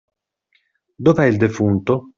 Dov’è il defunto?